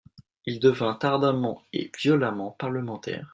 Il devint ardemment et violemment parlementaire.